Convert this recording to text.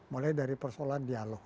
mulai dari persoalan dialog